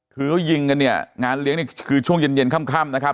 ถือวิ่งเงินเนี่ยงานเลี้ยงคือช่วงเย็นค่ำนะครับ